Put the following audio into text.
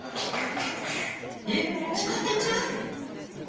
えっ地下鉄？